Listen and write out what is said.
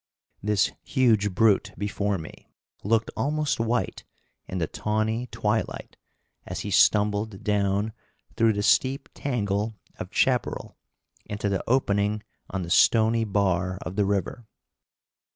This huge brute before me looked almost white in the tawny twilight as he stumbled down through the steep tangle of chaparral into the opening on the stony bar of the river.